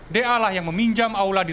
da lah yang meminjam aula di